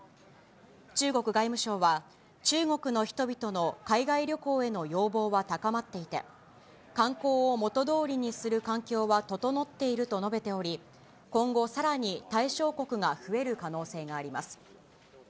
中国外務省は、中国の人々の海外旅行への要望は高まっていて、観光を元どおりにする環境は整っていると述べており、今後さらに対象国が増える可能性があります。